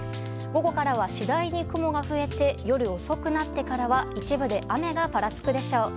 午後からは次第に雲が増えて夜遅くなってからは一部で雨がぱらつくでしょう。